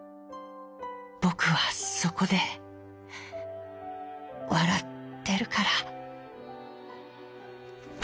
ぼくはそこでわらってるから」。